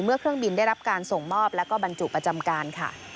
เมื่อเครื่องบินได้รับการส่งมอบและบรรจุประจำการ